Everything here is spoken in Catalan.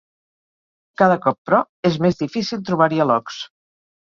Cada cop, però, és més difícil trobar-hi alocs.